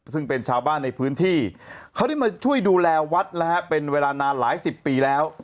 ซึ่งเป็นชาวบ้านในพื้นที่เขาได้มาช่วยดูแลวัดนะฮะเป็นเวลานานหลายสิบปีแล้ว